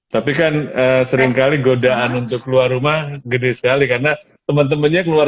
tapi kan seringkali godaan untuk keluar rumah gede sekali karena teman temannya keluar